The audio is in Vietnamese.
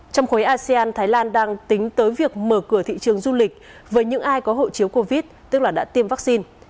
trong khối asean thái lan đang tính tới việc mở cửa thị trường du lịch với những ai có hộ chiếu covid tức là đã tiêm vaccine